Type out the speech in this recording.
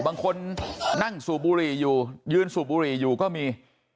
บางคนนั่งสูบบุหรี่อยู่ยืนสูบบุหรี่อยู่ก็มี